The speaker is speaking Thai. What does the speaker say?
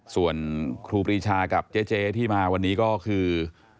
ส่วนครูปรีชากับเจ๊ที่มาวันนี้ก็คือ